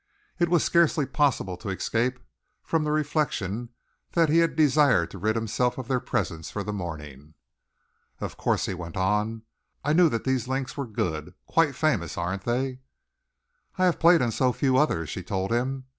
It was scarcely possible to escape from the reflection that he had desired to rid himself of their presence for the morning. "Of course," he went on, "I knew that these links were good quite famous, aren't they?" "I have played on so few others," she told him.